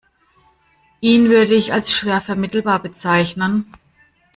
Ihn würde ich als schwer vermittelbar bezeichnen.